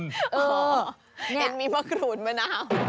อ๋อนี่เห็นมีมะกรูดมะนาว